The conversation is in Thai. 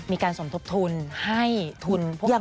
มีการสนทบทุนให้ทุนพวกเขาด้วย